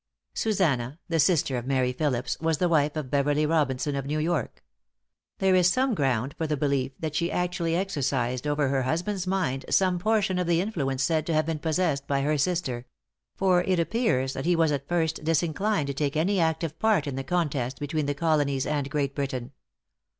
|Susannah, the sister of Mary Philipse, was the wife of Beverley Robinson of New York. There is some ground for the belief that she actually exercised over her husband's mind some portion of the influence said to have been possessed by her sister; for it appears that he was at first disinclined to take any active part in the contest between the Colonies and Great Britain.